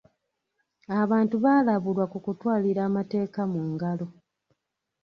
Abantu baalabulwa ku kutwalira amateeka mu ngalo.